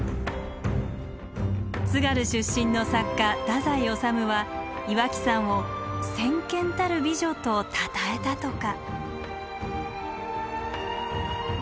津軽出身の作家太宰治は岩木山を「嬋娟たる美女」とたたえたとか。